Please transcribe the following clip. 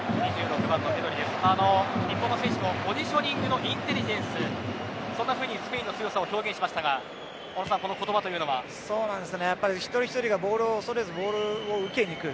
日本の選手のポジショニングのインテリジェンスとそんなふうにスペインを表現しましたが一人ひとりがボールを恐れずボールを受けに来る。